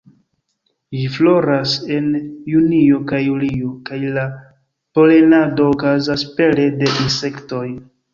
Ĝi floras en junio kaj julio, kaj la polenado okazas pere de insektoj.